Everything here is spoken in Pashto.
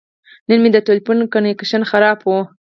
نن مې د تلیفون کنکشن خراب و.